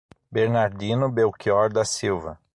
Bernardino Belchior da Silva